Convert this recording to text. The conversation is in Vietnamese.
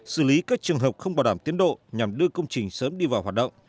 xử lý các trường hợp không bảo đảm tiến độ nhằm đưa công trình sớm đi vào hoạt động